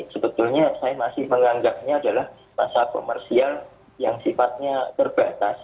sebetulnya saya masih menganggapnya adalah masa komersial yang sifatnya terbatas